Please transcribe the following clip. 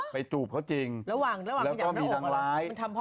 ไปจูบเขาจริงแล้วก็มีนางร้าย